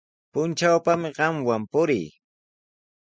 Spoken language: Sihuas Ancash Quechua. Puntrawpami qamwan purii.